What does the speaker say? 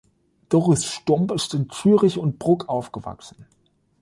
Doris Stump ist in Zürich und Brugg aufgewachsen.